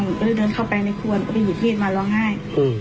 หนูก็เลยเดินเข้าไปในครัวก็ไปหยิบมีดมาร้องไห้